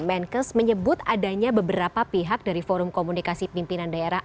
menkes menyebut adanya beberapa pihak dari forum komunikasi pimpinan daerah